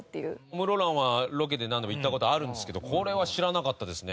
室蘭はロケで何度も行った事あるんですけどこれは知らなかったですね。